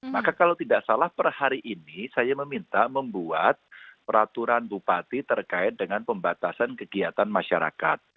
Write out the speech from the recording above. maka kalau tidak salah per hari ini saya meminta membuat peraturan bupati terkait dengan pembatasan kegiatan masyarakat